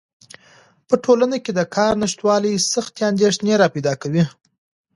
په ټولنه کې د کار نشتوالی سختې اندېښنې راپیدا کوي.